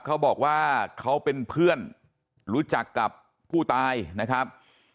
เขาบอกว่าเขาเป็นเพื่อนรู้จักกับผู้ตายนะครับ